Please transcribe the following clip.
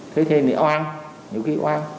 thế thì thì oan nhiều khi oan